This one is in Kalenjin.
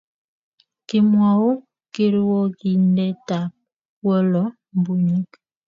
Kimwou kirwokindetab weloe bunyik.